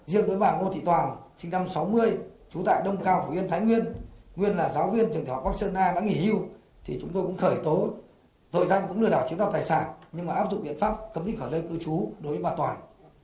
riêng đối với bà ngô thị toàn sinh năm một nghìn chín trăm sáu mươi trú tại đông cao phủ yên thái nguyên nguyên là giáo viên trường thể học bắc sơn a đã nghỉ hưu thì chúng tôi cũng khởi tố tội danh cũng lừa đảo chiếm đoạt tài sản nhưng mà áp dụng biện pháp cấm ích khỏi lây cư trú đối với bà toàn